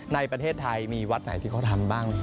ในประเทศไทยมีวัดไหนที่เขาทำบ้าง